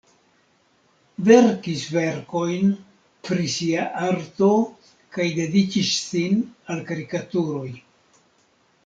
Verkis verkojn pri sia arto kaj dediĉis sin al karikaturoj.